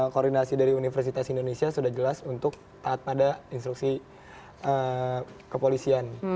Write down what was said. koordinasi dari universitas indonesia sudah jelas untuk taat pada instruksi kepolisian